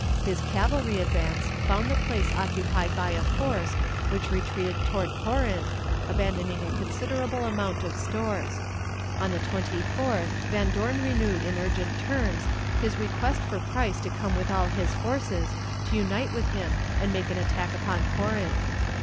His cavalry advance found the place occupied by a force, which retreated toward Corinth, abandoning a considerable amount of stores. On the 24th Van Dorn renewed in urgent terms his request for Price to come with all his forces to unite with him and make an attack upon Corinth.